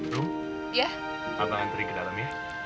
rum apa anterin ke dalam ya